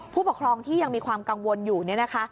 ผู้ปกครองที่ยังมีความกังวลอยู่เนี่ยนะคะ